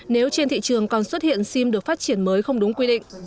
nếu trên thị trường còn xuất hiện sim được phát triển mới không đúng quy định